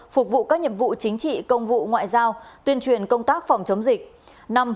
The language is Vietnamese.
phục vụ các nhiệm vụ chính trị công vụ ngoại giao tuyên truyền công tác phòng chống dịch